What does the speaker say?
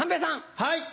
はい。